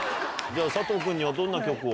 佐藤君にはどんな曲を？